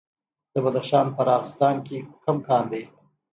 د بدخشان په راغستان کې کوم کان دی؟